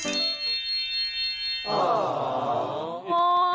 โอ้ย